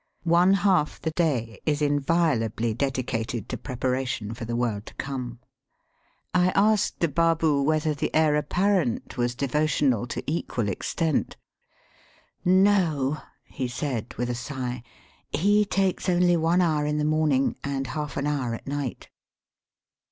One haK the day is inviolably dedicated to preparation for the world to come. I asked the baboo whether the heir apparent was devotional to equal extent. No," he said, with a sigh ;he takes only one hour in the morning and half an hour at pight."